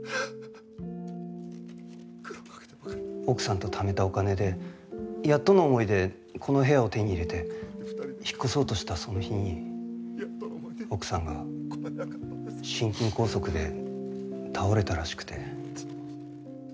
奥さんとためたお金でやっとの思いでこの部屋を手に入れて引っ越そうとしたその日に奥さんが心筋梗塞で倒れたらしくて。